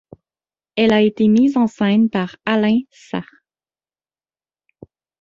Elle a été mise en scène par Alain Sachs.